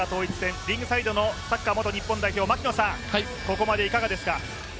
リングサイドのサッカー元日本代表、槙野さん、ここまでいかがですか？